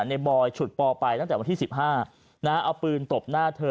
บอยฉุดปอไปตั้งแต่วันที่๑๕เอาปืนตบหน้าเธอ